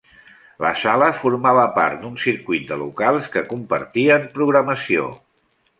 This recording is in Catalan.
La sala formava part d'un circuit de locals que compartien programació.